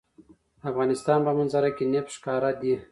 د افغانستان په منظره کې نفت ښکاره ده.